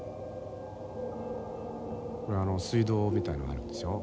これ水道みたいなのがあるんですよ。